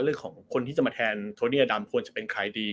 เรื่องของคนที่จะมาแทนโทนี่อดัมควรจะเป็นใครดี